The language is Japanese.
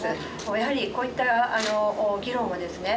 やはりこういった議論をですね